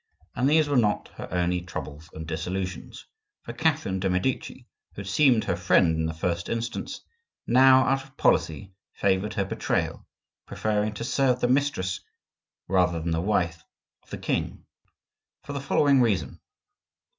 And these were not her only troubles and disillusions, for Catherine de' Medici, who had seemed her friend in the first instance, now, out of policy, favored her betrayal, preferring to serve the mistress rather than the wife of the king,—for the following reason.